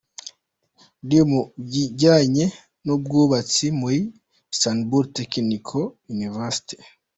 D mu bijyanye n’Ubwubatsi muri Istanbul Technical University.